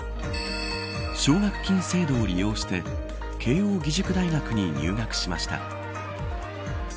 奨学金制度を利用して慶応義塾大学に入学しました。